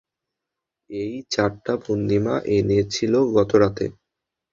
এই চা-টা পূর্ণিমা এনেছিল গতরাতে।